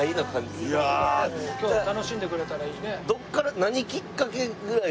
今日は楽しんでくれたらいいね。